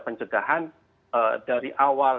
pencegahan dari awal